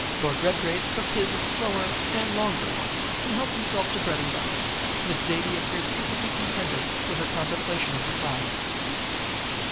Lord Redgrave took his in slower and longer ones, and helped himself to bread and butter. Miss Zaidie appeared perfectly contented with her contemplation of the clouds.